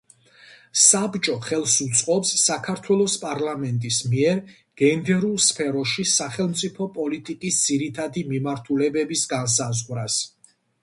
საბჭო ხელს უწყობს საქართველოს პარლამენტის მიერ გენდერულ სფეროში სახელმწიფო პოლიტიკის ძირითადი მიმართულებების განსაზღვრას.